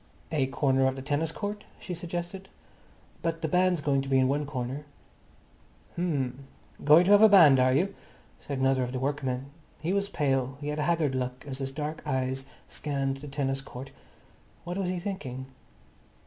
"A corner of the tennis court," she suggested. "But the band's going to be in one corner." "H'm, going to have a band, are you?" said another of the workmen. He was pale. He had a haggard look as his dark eyes scanned the tennis court. What was he thinking?